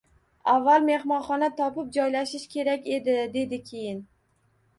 – Avval mehmonxona topib, joylashish kerak edi, – dedi keyin.